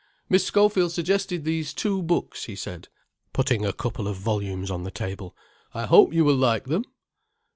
"Miss Schofield suggested these two books," he said, putting a couple of volumes on the table: "I hope you will like them."